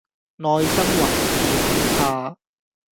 內心還是很怕